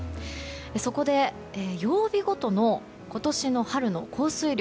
そこで、曜日ごとの今年の春の降水量。